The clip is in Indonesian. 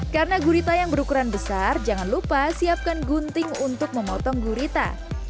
karena gurita yang berukuran besar jangan lupa siapkan gunting untuk memotong gurita